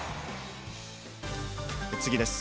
次です。